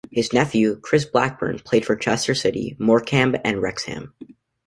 His nephew, Chris Blackburn, played for Chester City, Morecambe, and Wrexham.